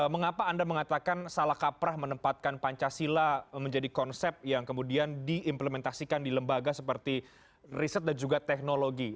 mengapa anda mengatakan salah kaprah menempatkan pancasila menjadi konsep yang kemudian diimplementasikan di lembaga seperti riset dan juga teknologi